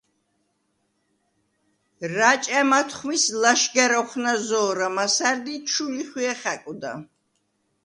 რაჭა̈ მათხვმის ლაშგა̈რ ოხვნა̈ზო̄რა მასა̈რდ ი ჩუ ლიხვიე ხა̈კვდა.